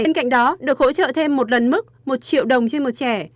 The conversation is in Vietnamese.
bên cạnh đó được hỗ trợ thêm một lần mức một triệu đồng trên một trẻ